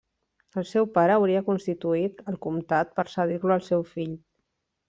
El seu pare hauria constituït el comtat per cedir-lo al seu fill.